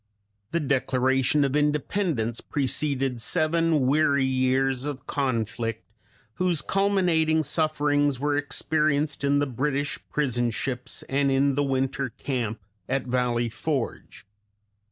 The Declaration of Independence preceded seven weary years of conflict, whose culminating sufferings were experienced in the British prison ships and in the winter camp at Valley Forge.